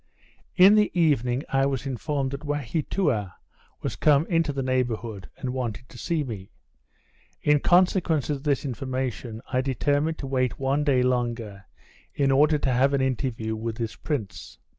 In the evening, I was informed that Waheatoua was come into the neighourhood, and wanted to see me. In consequence of this information, I determined to wait one day longer, in order to have an interview with this prince.